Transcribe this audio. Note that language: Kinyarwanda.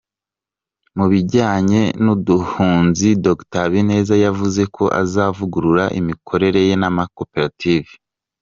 Mu bijyanye n’ ubuhinzi Dr Habineza yavuze ko azavugurura imikorere y’ amakoperative.